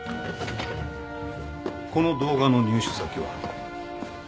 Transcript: この動画の入手先は？